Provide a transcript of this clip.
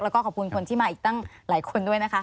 แล้วก็ขอบคุณคนที่มาอีกตั้งหลายคนด้วยนะคะ